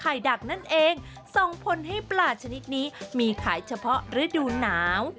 ดักนั่นเองส่งผลให้ปลาชนิดนี้มีขายเฉพาะฤดูหนาว